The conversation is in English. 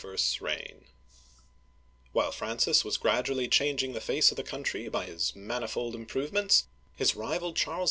'S REIGN WHILE Francis was gradually changing the face of the country by his manifold improvements, his rival Charles V.